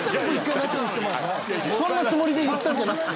そんなつもりで言ったんじゃない。